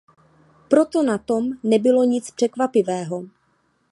Proto na tom nebylo nic překvapivého.